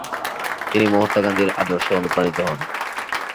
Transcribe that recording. তিনি মহাত্মা গান্ধীর আদর্শে অনুপ্রাণিত হন।